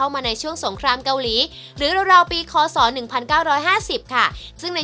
มีคนจีนมาเมืองเมืองนี้